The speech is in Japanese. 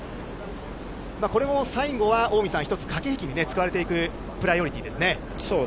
これも最後は一つ駆け引きに使われていくプライオリティーですね。